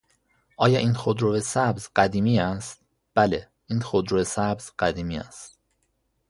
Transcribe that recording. آیا این خودرو سبز قدیمی است؟ بله, این خودرو سبز قدیمی است.